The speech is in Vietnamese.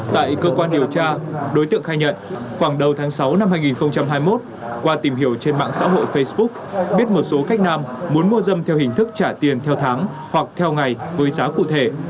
tại cơ quan điều tra đối tượng khai nhận khoảng đầu tháng sáu năm hai nghìn hai mươi một qua tìm hiểu trên mạng xã hội facebook biết một số khách nam muốn mua dâm theo hình thức trả tiền theo tháng hoặc theo ngày với giá cụ thể